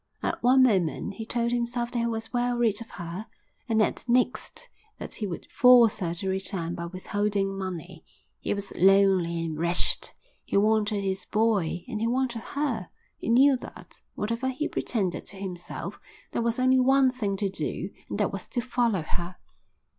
At one moment he told himself that he was well rid of her, and at the next that he would force her to return by withholding money. He was lonely and wretched. He wanted his boy and he wanted her. He knew that, whatever he pretended to himself, there was only one thing to do and that was to follow her.